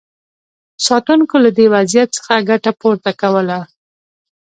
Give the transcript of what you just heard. ساتونکو له دې وضعیت څخه ګټه پورته کوله.